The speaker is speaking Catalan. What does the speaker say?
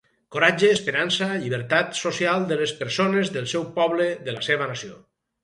Coratge, esperança, llibertat social, de les persones, del seu poble de la seva nació.